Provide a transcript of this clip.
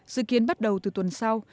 dự kiến bắt đầu từ tuần sau